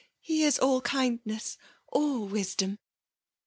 He is all kindness, all wisdom.